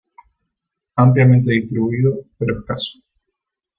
Ampliamente distribuido, pero escaso.